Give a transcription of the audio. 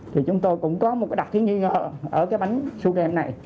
thì chúng tôi cũng có một cái đặc thiên nghi ngờ ở cái bánh su chem này